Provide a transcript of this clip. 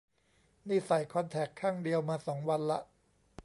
นี่ใส่คอนแทคข้างเดียวมาสองวันละ